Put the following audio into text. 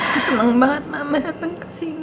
masa bangun banget mama datang kesini